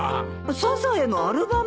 サザエのアルバム！？